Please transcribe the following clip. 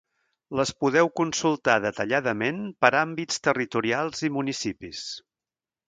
Les podeu consultar detalladament per àmbits territorials i municipis.